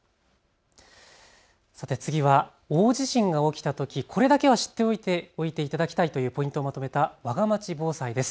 さて次は大地震が起きたときこれだけは知っておいていただきたいというポイントをまとめたわがまち防災です。